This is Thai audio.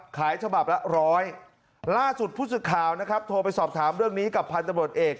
ขายฉบับละ๑๐๐ล่าสุดผู้ศึกข่าวนะครับโทรไปสอบถามเรื่องนี้กับพันธุ์ตำรวจเอก